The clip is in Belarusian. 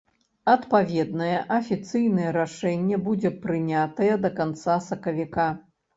Адпаведнае афіцыйнае рашэнне будзе прынятае да канца сакавіка.